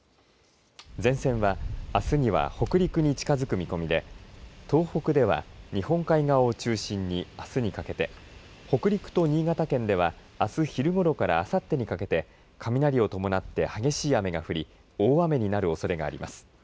前線は、あすには北陸に近づく見込みで東北では日本海側を中心にあすにかけて北陸と新潟県ではあす昼ごろからあさってにかけて雷を伴って激しい雨が降り大雨になるおそれがあります。